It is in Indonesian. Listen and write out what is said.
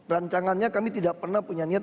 rancangannya kami tidak pernah punya niat